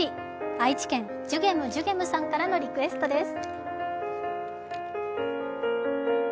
愛知県、ジュゲムジュゲムさんからのリクエストです。